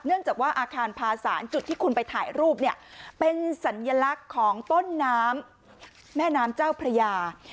จากว่าอาคารพาสารจุดที่คุณไปถ่ายรูปเนี่ยเป็นสัญลักษณ์ของต้นน้ำแม่น้ำเจ้าพระยา